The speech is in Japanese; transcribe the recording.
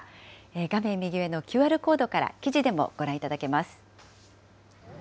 画面右上のＱＲコードから記事でもご覧いただけます。